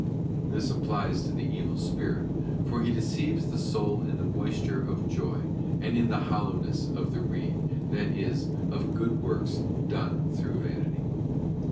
* This applies to the evil spirit, for he deceives the soul in the moisture of joy and in the hollowness of the reed, that is, of good works done through vanity.